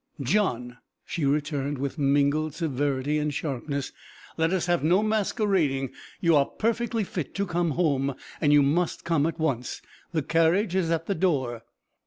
"John!" she returned, with mingled severity and sharpness, "let us have no masquerading! You are perfectly fit to come home, and you must come at once. The carriage is at the door."